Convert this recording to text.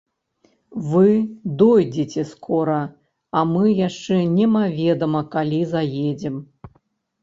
Вы дойдзеце скора, а мы яшчэ немаведама калі заедзем.